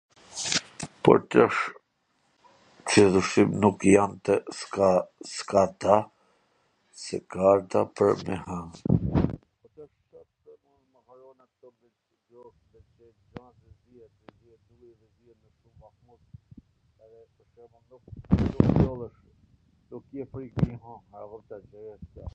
Por tash qw kto ushqime nuk jan...